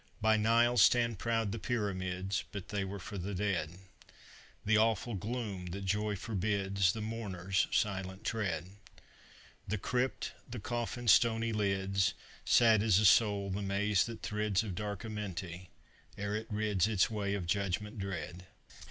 By Nile stand proud the pyramids, But they were for the dead; The awful gloom that joy forbids, The mourners' silent tread, The crypt, the coffin's stony lids, Sad as a soul the maze that thrids Of dark Amenti, ere it rids Its way of judgment dread.